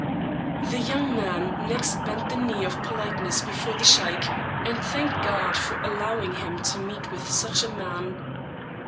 The young man next bent the knee of politeness before the Sheik, and thanked God for al lowing him to meet with such a man.